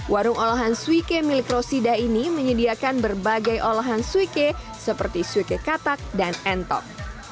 warung olahan suike milik rosida ini menyediakan berbagai olahan suike seperti suike katak dan entok